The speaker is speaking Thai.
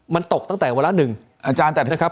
มันตกตั้งแต่เวลา๑นะครับ